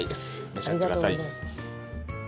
召し上がってください。